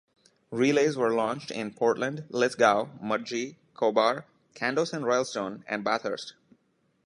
Relays were launched in Portland, Lithgow, Mudgee, Cobar, Kandos and Rylstone and Bathurst.